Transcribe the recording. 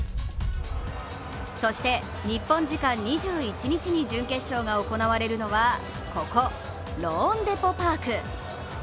そして、日本時間２１日に準決勝が行われるのはここ、ローンデポ・パーク。